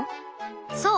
そう。